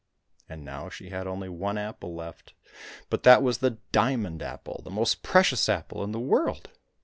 And now she had only one apple left, but that was the diamond apple, the most precious apple in the world.